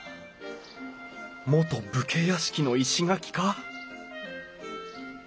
元武家屋敷の石垣か？